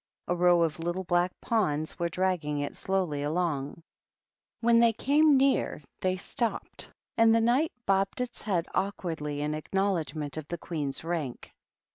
A row of little black pawns were dragging it slowly along. When they came near they stopped, and the THE RED QUEEN AND THE DUCHESS. 145 Knight bobbed his head awkwardly in acknowl edgment of the Queen's rank.